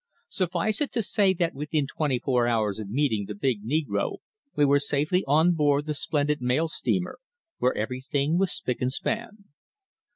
Suffice it to say that within twenty four hours of meeting the big negro we were safely on board the splendid mail steamer where everything was spick and span.